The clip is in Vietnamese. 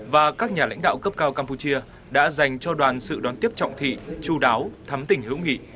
và các nhà lãnh đạo cấp cao campuchia đã dành cho đoàn sự đón tiếp trọng thị chú đáo thắm tỉnh hữu nghị